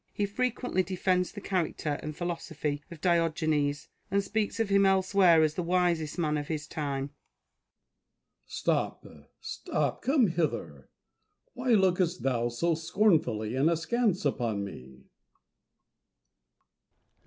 He frequently defends the character and philosophy of Diogenes, and speaks of him elsewhere as the wisest man of his time.] Diogenes. Stop! stop! come hither! Why lookest thou so scornfully and askance upon me